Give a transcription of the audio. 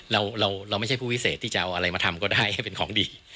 เราไม่ใช่ผู้วิเศษที่จะเอาอะไรมาทำก็ได้ให้เป็นของดี